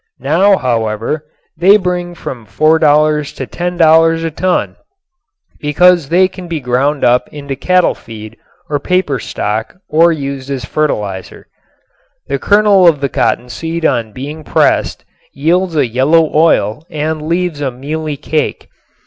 Now, however, they bring from $4 to $10 a ton because they can be ground up into cattle feed or paper stock or used as fertilizer. The kernel of the cottonseed on being pressed yields a yellow oil and leaves a mealy cake.